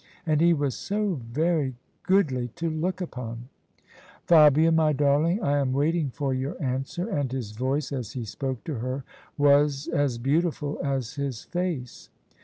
And he was so very goodly to look upon !" Fabia, my darling, I am waiting for your answer." And his voice, as he spoke to her, was as beautiful as his face.